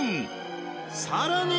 さらに